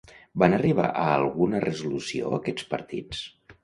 Van arribar a alguna resolució, aquests partits?